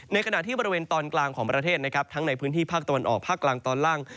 ขณะที่บริเวณตอนกลางของประเทศนะครับทั้งในพื้นที่ภาคตะวันออกภาคกลางตอนล่าง